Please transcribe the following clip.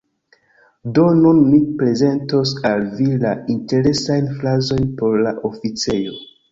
Do nun mi prezentos al vi la interesajn frazojn por la oficejo: